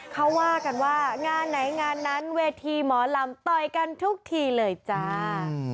เขาว่ากันว่างานไหนงานนั้นเวทีหมอลำต่อยกันทุกทีเลยจ้า